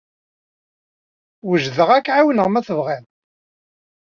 Wejdeɣ ad k-ɛawneɣ ma tebɣiḍ.